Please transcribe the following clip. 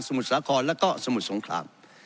มุทรสาครแล้วก็สมุทรสงคราม